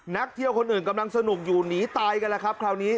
นักเที่ยวคนอื่นกำลังสนุกอยู่หนีตายกันแล้วครับคราวนี้